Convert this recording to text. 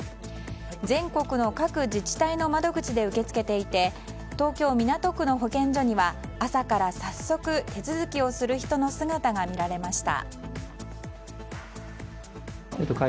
全国の各自治体の窓口で受け付けていて東京・港区の保健所には朝から早速手続きをする人の姿が見られました。